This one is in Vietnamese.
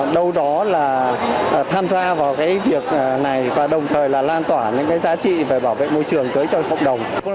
đâu đó là tham gia vào cái việc này và đồng thời là lan tỏa những cái giá trị về bảo vệ môi trường tới cho cộng đồng